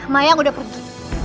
mayang udah pergi